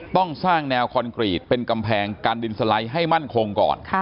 ต้องสร้างแนวคอนกรีตเป็นกำแพงกันดินสไลด์ให้มั่นคงก่อน